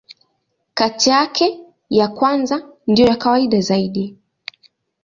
Kati yake, ya kwanza ndiyo ya kawaida zaidi.